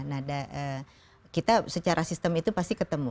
nah kita secara sistem itu pasti ketemu